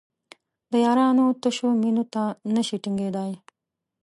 د یارانو تشو مینو ته نشي ټینګېدای.